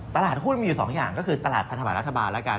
ตลาดหุ้นมีอยู่๒อย่างก็คือตลาดพันธบัตรรัฐบาลแล้วกัน